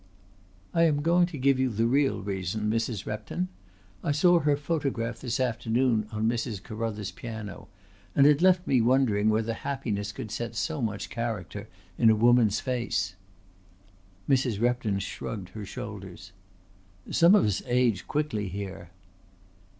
"I am going to give you the real reason, Mrs. Repton. I saw her photograph this afternoon on Mrs. Carruthers' piano, and it left me wondering whether happiness could set so much character in a woman's face." Mrs. Repton shrugged her shoulders. "Some of us age quickly here."